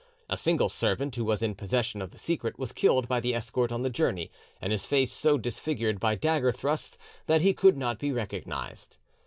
A single servant who was in possession of the secret was killed by the escort on the journey, and his face so disfigured by dagger thrusts that he could not be recognised.